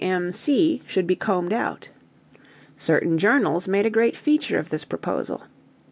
M.C. should be combed out. Certain journals made a great feature of this proposal.